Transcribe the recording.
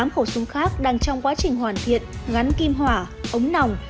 tám khẩu súng khác đang trong quá trình hoàn thiện gắn kim hỏa ống nòng